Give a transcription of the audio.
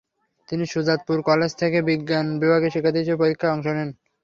তিনি সুজাতপুর কলেজ থেকে বিজ্ঞান বিভাগের শিক্ষার্থী হিসেবে পরীক্ষায় অংশ নেন।